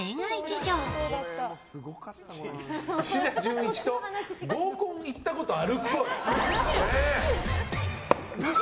父・石田純一と合コン行ったことあるっぽい。